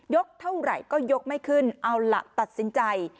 เท่าไหร่ก็ยกไม่ขึ้นเอาล่ะตัดสินใจ